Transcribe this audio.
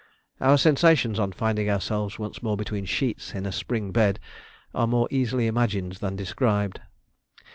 Our sensations on finding ourselves once more between sheets in a spring bed are more easily imagined than described.